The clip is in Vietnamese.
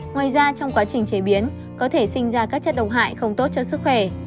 ngoài ra trong quá trình chế biến có thể sinh ra các chất độc hại không tốt cho sức khỏe